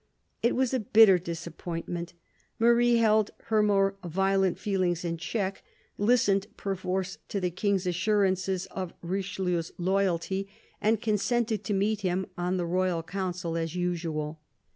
It was a bitter disappointment. Marie held her more violent feelings in check, listened perforce to the King's assurances of Richelieu's loyalty, and consented to meet him on the royal Council as usual.